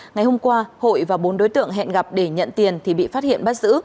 ngày hôm qua hội và bốn đối tượng hẹn gặp để nhận tiền thì bị phát hiện bắt giữ